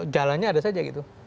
jalannya ada saja